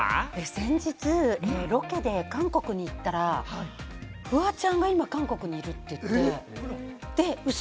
先日ロケで韓国に行ったら、フワちゃんが今、韓国にいるっていって、ウソ？